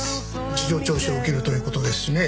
事情聴取を受けるという事ですしね。